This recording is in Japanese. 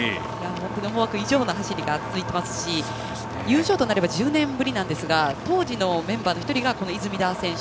思惑以上の走りが続いていますし優勝となれば１０年ぶりですが当時のメンバーの１人がこの出水田選手。